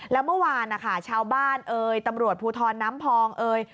แล้วเมื่อวานนะคะชาวบ้านเอ่ยตำรวจภูทรน้ำพองเอ่ย